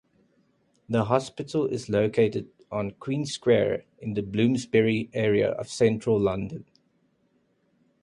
The hospital is located on Queen Square in the Bloomsbury area of Central London.